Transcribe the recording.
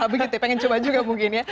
begitu ya pengen coba juga mungkin ya